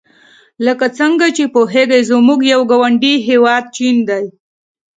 لکه څنګه چې پوهیږئ زموږ یو ګاونډي هېواد چین دی.